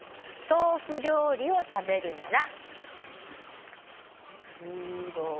「豆腐料理を食べるなら」